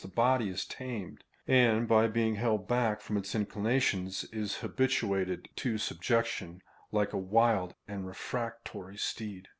811 plislied unless tlie body is tamed, and, by being held back from its inclinations, is habituated to subjection, like a wild and refractory steed.